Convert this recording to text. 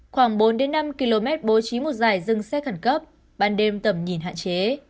khoảng bốn năm km bố trí một dài dừng xe khẩn cấp ban đêm tầm nhìn hạn chế